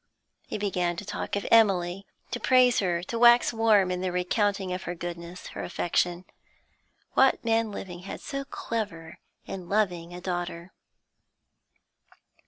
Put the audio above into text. He began to talk of Emily, to praise her, to wax warm in the recounting of her goodness, her affection. What man living had so clever and so loving a daughter!